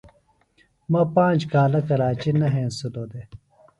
مہ پانج کالہ کراچیۡ نہ ہینسِلوۡ دےۡ۔